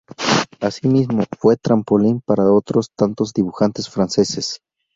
Así mismo, fue trampolín para otros tantos dibujantes franceses.